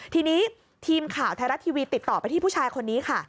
ทีนี้ทีมข่าวไทยรัฐทีวีติดต่อไปที่ผู้ชายคนนี้ค่ะ